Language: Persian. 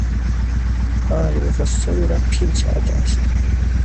آری، غصه او را پیر کرده است.